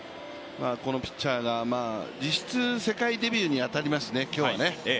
このピッチャーが実質世界デビューに当たりますね、今日はね。